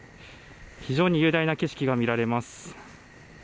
非常に雄大な景色が見られます。